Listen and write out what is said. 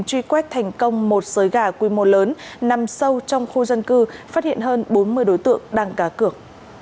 truy quét thành công một sới gà quy mô lớn nằm sâu trong khu dân cư phát hiện hơn bốn mươi đối tượng đang cá cược